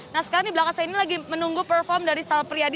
nah sekarang di belakang saya ini lagi menunggu perform dari sal priyadi